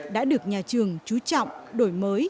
đã được nhà trường trú trọng đổi mới